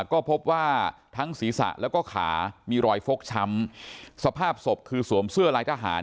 ก็พบว่าทั้งศีรษะแล้วก็ขามีรอยฟกช้ำสภาพศพคือสวมเสื้อลายทหาร